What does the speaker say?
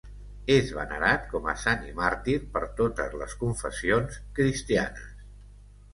És venerat com a sant i màrtir per totes les confessions cristianes.